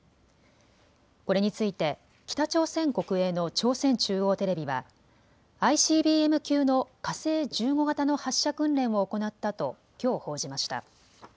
これについて北朝鮮国営の朝鮮中央テレビはＩＣＢＭ級の火星１５型の発射訓練を行ったときょう報じました。